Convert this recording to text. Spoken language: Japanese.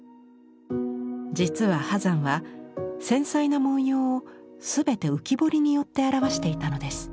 実は波山は繊細な文様を全て浮き彫りによって表していたのです。